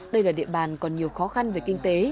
đây là địa bàn còn nhiều khó khăn về kinh tế